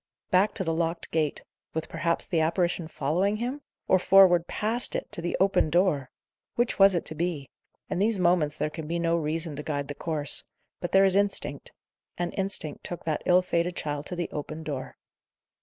Back to the locked gate with perhaps the apparition following him? or forward past IT to the open door? Which was it to be? In these moments there can be no reason to guide the course; but there is instinct; and instinct took that ill fated child to the open door.